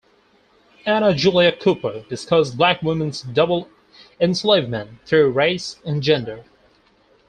Anna Julia Cooper discussed black women's double enslavement through race and gender.